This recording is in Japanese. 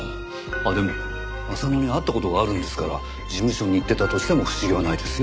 あっでも浅野に会った事があるんですから事務所に行ってたとしても不思議はないですよ。